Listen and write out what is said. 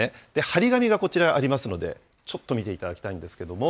貼り紙がこちらありますので、ちょっと見ていただきたいんですけれども。